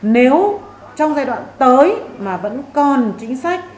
nếu trong giai đoạn tới mà vẫn còn chính sách